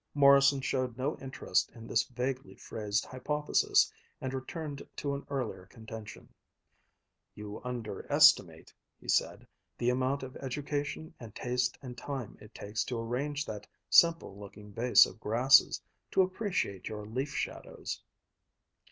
Morrison showed no interest in this vaguely phrased hypothesis, and returned to an earlier contention: "You underestimate," he said, "the amount of education and taste and time it takes to arrange that simple looking vase of grasses, to appreciate your leaf shadows."